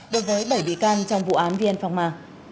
đối với bảy bị can trong vụ án vn phòng ma